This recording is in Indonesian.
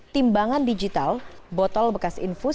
timbangan digital botol bekas infus